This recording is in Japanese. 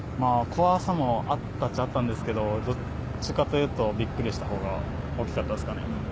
怖さもあったっちゃあったんですけど、どっちかというとびっくりしたほうが大きかったですかね。